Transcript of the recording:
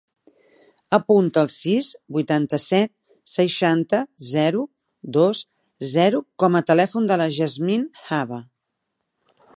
Apunta el sis, vuitanta-set, seixanta, zero, dos, zero com a telèfon de la Yasmine Haba.